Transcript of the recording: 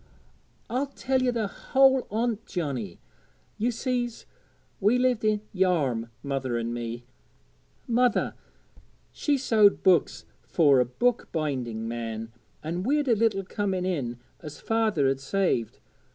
'I'll tell ye the whole on't, Johnnie. Ye sees, we lived i' Yarm mother and me. Mother, she sewed books fur a book binding man; an' we'd a little coming in as father'd saved.